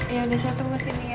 iya udah saya tunggu sini ya